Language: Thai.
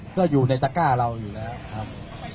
ก็อยู่ในตะก้าเราอยู่แล้วครับ